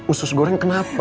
usus goreng kenapa